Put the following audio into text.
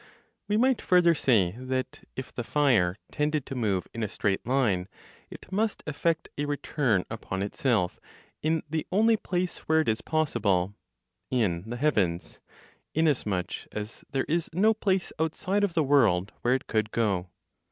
We might further say that, if the fire tended to move in a straight line, it must effect a return upon itself in the only place where it is possible (in the heavens), inasmuch as there is no place outside of the world where it could go.